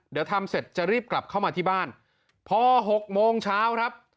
เดี๋ยวทำเสร็จจะรีบกลับเข้ามาที่บ้านพอหกโมงเช้าครับ